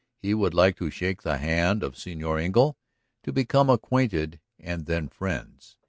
"He would like to shake the hand of Señor Engle to become acquainted and then friends.